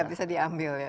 tidak bisa diambil ya